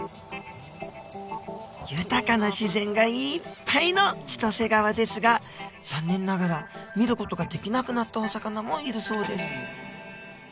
豊かな自然がいっぱいの千歳川ですが残念ながら見る事ができなくなったお魚もいるそうです